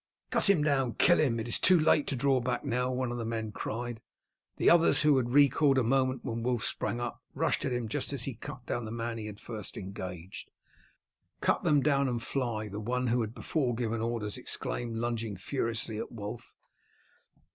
"Cut him down! Kill him! It is too late to draw back now!" one of the men cried. The others, who had recoiled a moment when Wulf sprang up, rushed at him just as he cut down the man he had first engaged. "Cut them down and fly!" the one who had before given orders exclaimed, lunging furiously at Wulf.